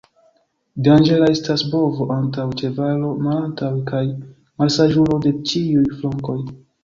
Danĝera estas bovo antaŭe, ĉevalo malantaŭe, kaj malsaĝulo de ĉiuj flankoj.